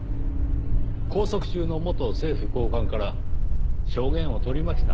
拘束中の元政府高官から証言を取りました。